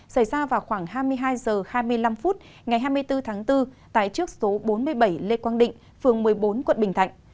xảy ra vào khoảng hai mươi hai h hai mươi năm phút ngày hai mươi bốn tháng bốn tại trước số bốn mươi bảy lê quang định phường một mươi bốn quận bình thạnh